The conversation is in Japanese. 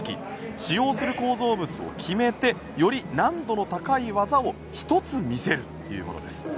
使用する構造物を決めてより難度の高い技を１つ見せるというものです。